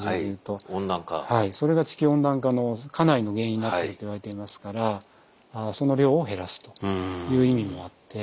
それが地球温暖化のかなりの原因になっていると言われていますからその量を減らすという意味もあって。